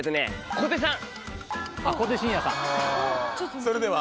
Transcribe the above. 小手さん！